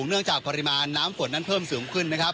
ดังเนื่องจากปริมาณน้ำฝนนั้นเพิ่มสูงขึ้น